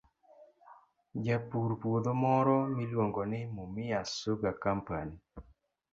Japur puodho moro miluongo ni Mumias Sugar Company,